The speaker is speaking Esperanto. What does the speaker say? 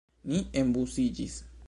Ni enbusiĝis.